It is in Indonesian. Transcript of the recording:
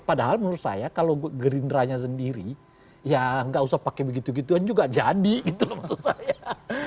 padahal menurut saya kalau gerindranya sendiri ya nggak usah pakai begitu gituan juga jadi gitu loh maksud saya